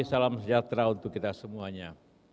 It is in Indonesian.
salam sejahtera untuk kita semuanya